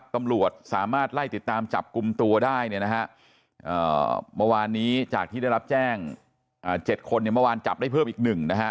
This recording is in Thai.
ตำรวจสามารถไล่ติดตามจับกลุ่มตัวได้เมื่อวานนี้จากที่ได้รับแจ้ง๗คนเมื่อวานจับได้เพิ่มอีก๑นะฮะ